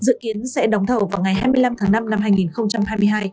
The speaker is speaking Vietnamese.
dự kiến sẽ đóng thầu vào ngày hai mươi năm tháng năm năm hai nghìn hai mươi hai